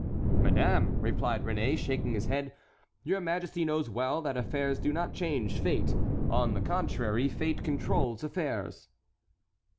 "Madame," replied Réné, shaking his head, "your majesty knows well that affairs do not change fate; on the contrary, fate controls affairs."